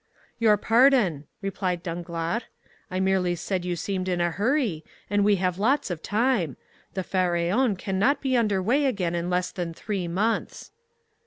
"Your pardon," replied Danglars, "I merely said you seemed in a hurry, and we have lots of time; the Pharaon cannot be under weigh again in less than three months."